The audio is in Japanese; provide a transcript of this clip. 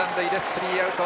スリーアウト。